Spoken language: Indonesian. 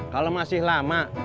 kalau masih lama